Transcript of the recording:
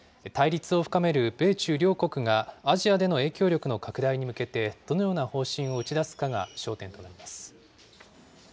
対立を深める米中両国が、アジアでの影響力の拡大に向けてどのような方針を打ち出すかが焦点となります。